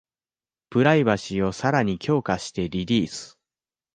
プライバシーをさらに強化してリリース